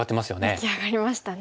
出来上がりましたね。